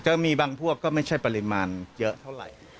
จะมีบางพวกก็ไม่ใช่ปริมาณเยอะเท่าไหร่